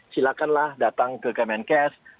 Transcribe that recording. silakanlah datang ke kemenkes